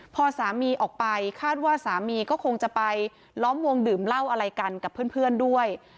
พอสามีออกไปคาดว่าสามีก็คงจะไปล้อมวงดื่มเหล้าอะไรกันกับเพื่อนด้วย